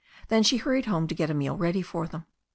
Then she hur ried home to get a meal ready for them.